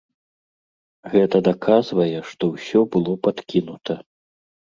Гэта даказвае, што ўсё было падкінута.